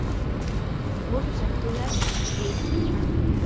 Урҭ сабду иаҵкыс еиҵбацәан.